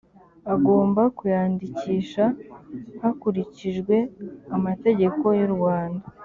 agomba kuyandikisha hakurikijwe amategeko y urwanda